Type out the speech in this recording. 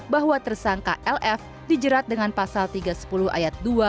bahwa tersangka lf dijerat dengan pasal tiga ratus sepuluh ayat dua